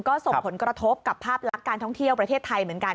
ก็ส่งผลกระทบกับภาพลักษณ์การท่องเที่ยวประเทศไทยเหมือนกัน